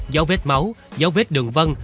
dấu vết máu dấu vết đường vân